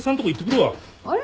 あれ？